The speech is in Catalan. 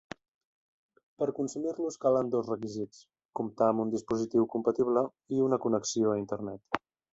Per consumir-los calen dos requisits: comptar amb un dispositiu compatible i una connexió a Internet.